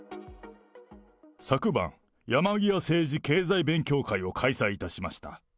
昨晩、やまぎわ政治経済勉強会を開催いたしました。